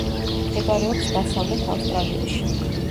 მდებარეობს დასავლეთ ავსტრალიაში.